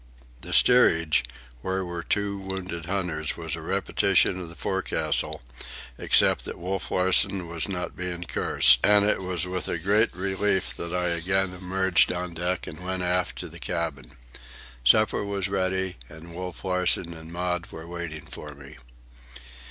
The steerage, where were two wounded hunters, was a repetition of the forecastle, except that Wolf Larsen was not being cursed; and it was with a great relief that I again emerged on deck and went aft to the cabin. Supper was ready, and Wolf Larsen and Maud were waiting for me.